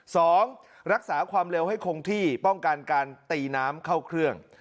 สองรักษาความเร็วให้คงที่ป้องกันการตีน้ำเข้าเครื่อง